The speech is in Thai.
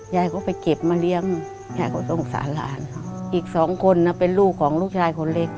ยายเขาไปเก็บมาเลี้ยงยายเขาสงสารหลาน